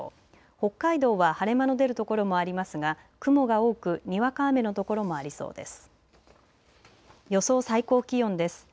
北海道は晴れ間の出る所もありますが雲が多くにわか雨の所もありそうです。